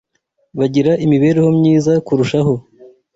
bagira imibereho myiza kurushaho